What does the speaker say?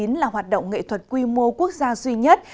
năm hai nghìn một mươi chín là hoạt động nghệ thuật quy mô quốc gia duy nhất